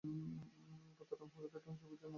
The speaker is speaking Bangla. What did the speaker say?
পাতার রং হলদেটে সবুজ এবং মাঝখানে লালচে ছোপ থাকে।